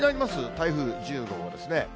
台風１５号ですね。